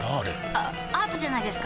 あアートじゃないですか？